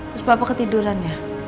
terus papa ketiduran ya